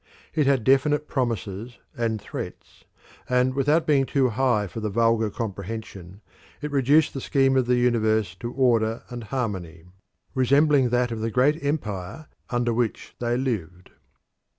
It had definite promises and threats, and without being too high for the vulgar comprehension, it reduced the scheme of the universe to order and harmony, resembling that of the great empire under which they lived.